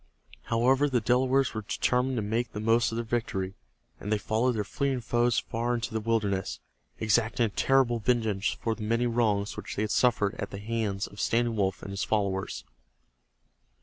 However, the Delawares were determined to make the most of their victory, and they followed their fleeing foes far into the wilderness, exacting a terrible vengeance for the many wrongs which they had suffered at the hands of Standing Wolf and his followers.